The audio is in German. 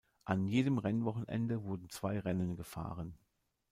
An jedem Rennwochenende wurden zwei Rennen gefahren.